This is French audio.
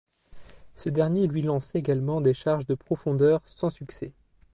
Ce dernier lui lance également des charges de profondeur sans succès.